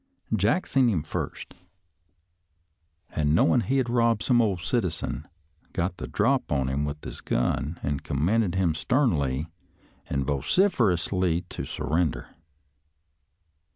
Jack seen him first, an' knowin' he'd robbed some ole citizen, got the drop on him with his gun, an' commanded him sternly an' vociferously to surrender.